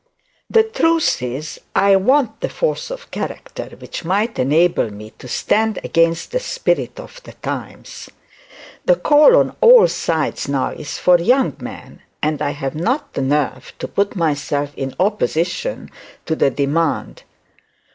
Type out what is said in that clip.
The truth is, I want the force of character which might enable me to stand against the spirit of the times. The call on all sides now is for young men, and I have not the nerve to put myself in opposition to the demand.